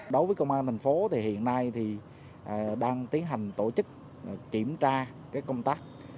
đối với công an thành phố thì hiện nay thì đang tiến hành tổ chức kiểm tra công tác